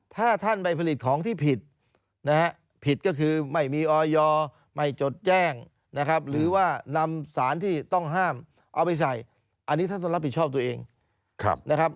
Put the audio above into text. ถ้าท่านไปผลิตของที่ผิดนะฮะผิดก็คือไม่มีออยไม่จดแจ้งนะครับหรือว่านำสารที่ต้องห้ามเอาไปใส่อันนี้ท่านต้องรับผิดชอบตัวเองนะครับ